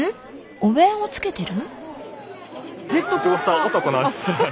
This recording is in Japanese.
お面をつけてる？